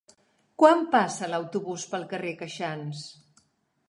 Quan passa l'autobús pel carrer Queixans?